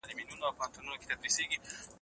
څنګه په پوره ډاډ سره نورو ته نه ووایو؟